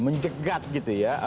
menjegat gitu ya